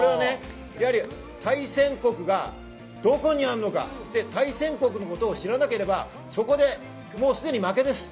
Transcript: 対戦国がどこにあるのか、対戦国のことを知らなければ、そこですでに負けです。